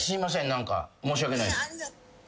何か申し訳ない。